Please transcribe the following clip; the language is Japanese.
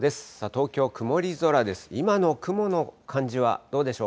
東京は曇り空です。